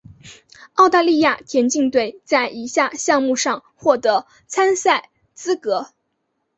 澳大利亚田径队在以下项目上获得参赛资格。